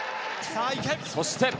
そして。